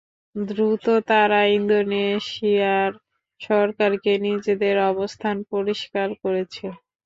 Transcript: দ্রুত তারা ইন্দোনেশিয়ার সরকারকে নিজেদের অবস্থান পরিষ্কার করেছে।